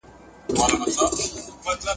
ټولنيز وضعيت بايد تر پخوا ښه سي.